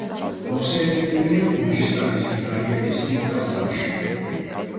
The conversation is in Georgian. მოხსენიებულია გურჯისტანის ვილაიეთის დიდ დავთარში.